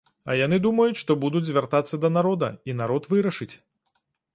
А яны думаюць, што будуць звяртацца да народа і народ вырашыць.